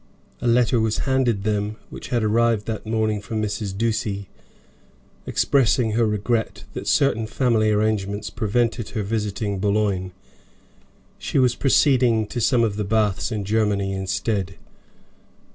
A letter was handed them which had arrived that morning from Mrs. Ducie, expressing her regret that certain family arrangements prevented her visiting Boulogne; she was proceeding to some of the baths in Germany instead.